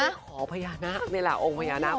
เขาจะขอพญานาคในละอวงพญานาค